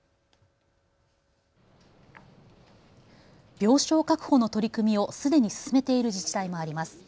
病床確保の取り組みをすでに進めている自治体もあります。